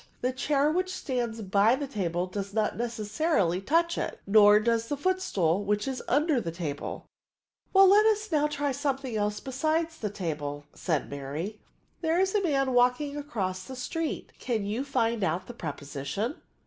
The chair which stands by the table does not necessarily touch it ; nor does the footstool, which is under the table." "Well, now let us try something else besides the table," said Mary. " There is a man walking across the street ; can you find out the preposition?"